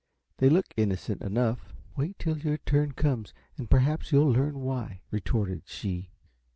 They look innocent enough." "Wait till your turn comes, and perhaps you'll learn why," retorted she.